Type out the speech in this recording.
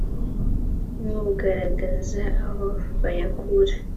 n kugaragaza aho bayakura